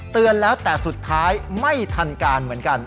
เตือนแล้วแต่สุดท้ายไม่ทันการเหมือนกัน